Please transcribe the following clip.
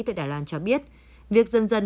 tại đài loan cho biết việc dân dân